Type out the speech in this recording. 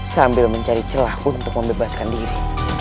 sambil mencari celah untuk membebaskan diri